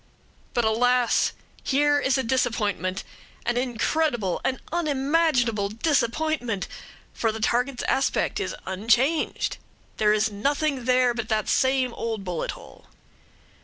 But, alas! here is a disappointment; an incredible, an unimaginable disappointment for the target's aspect is unchanged; there is nothing there but that same old bullet hole!